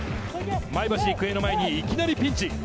前橋育英の前にいきなりピンチ。